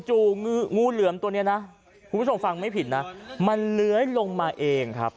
จูดงูเหลืมตัวนี้มันเหลือลงมาเอง